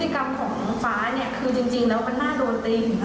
คือพฤติกรรมของฟ้าเนี่ย